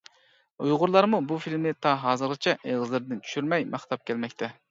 ئۇيغۇرلارمۇ بۇ فىلىمنى تا ھازىرغىچە ئېغىزلىرىدىن چۈشۈرمەي ماختاپ كەلمەكتە.